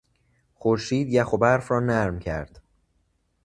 خورشید یخ و برف را نرم کرد.